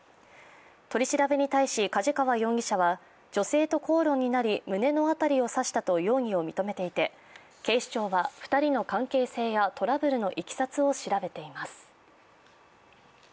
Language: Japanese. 取り調べに対し、梶川容疑者は女性と口論になり胸の辺りを刺したと容疑を認めていて警視庁は２人の関係性やトラブルのいきさつを調べています。